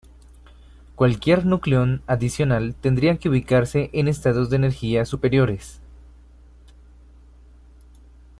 Cualquier nucleón adicional tendría que ubicarse en estados de energía superiores.